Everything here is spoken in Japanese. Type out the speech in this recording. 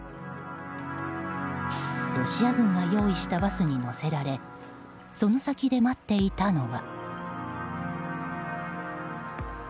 ロシア軍が用意したバスに乗せられその先で待っていたのは。